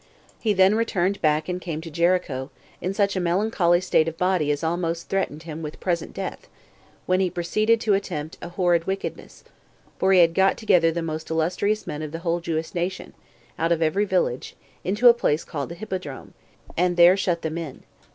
6. He then returned back and came to Jericho, in such a melancholy state of body as almost threatened him with present death, when he proceeded to attempt a horrid wickedness; for he got together the most illustrious men of the whole Jewish nation, out of every village, into a place called the Hippodrome, and there shut them in.